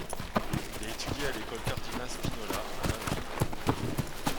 Il a étudié à l'école Cardinal Spinola à Madrid.